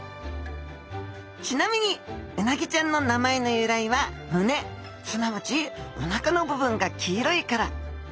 ちなみにうなぎちゃんの名前の由来は胸すなわちおなかの部分が黄色いから。